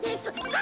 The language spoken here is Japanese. あ！